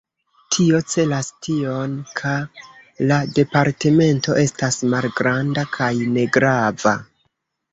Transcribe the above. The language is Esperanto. Tio celas tion, ka la departemento estas malgranda kaj negrava.